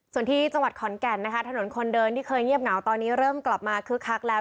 ส่วนที่จังหวัดขอนแก่นนะคะถนนคนเดินที่เคยเงียบเหงาตอนนี้เริ่มกลับมาคึกคักแล้ว